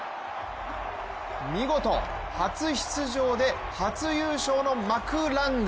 見事、初出場で初優勝のマクラング。